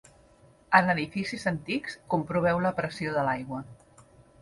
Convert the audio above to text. En edificis antics, comproveu la pressió de l'aigua.